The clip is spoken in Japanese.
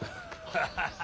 ハハハ。